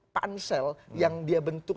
pansel yang dia bentuk